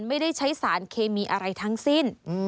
ไม่ได้ใช้สารเคมีอะไรทั้งสิ้น